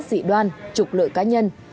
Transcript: sĩ đoan trục lợi cá nhân